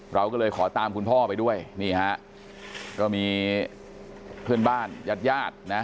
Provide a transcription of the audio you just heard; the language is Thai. เราก็เลยขอตามคุณพ่อไปด้วยนี่ฮะก็มีเพื่อนบ้านญาติญาตินะฮะ